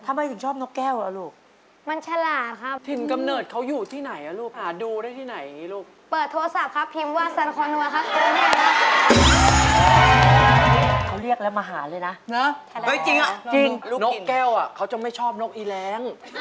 รายการต่อไปนี้เป็นรายการทั่วไปสามารถรับชมได้ทุกวัย